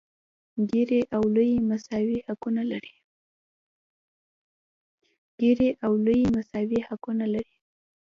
ګېري او لويي مساوي حقونه لري.